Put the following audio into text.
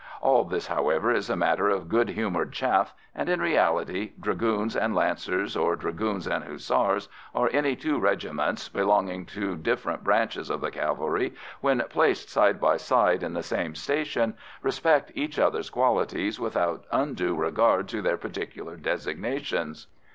All this, however, is a matter of good humoured chaff, and in reality Dragoons and Lancers, or Dragoons and Hussars, or any two regiments belonging to different branches of the cavalry, when placed side by side in the same station, respect each other's qualities without undue regard to their particular designations.